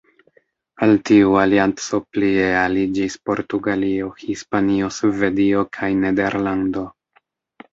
Al tiu alianco plie aliĝis Portugalio, Hispanio, Svedio kaj Nederlando.